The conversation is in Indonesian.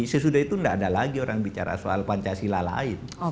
sesudah itu tidak ada lagi orang bicara soal pancasila lain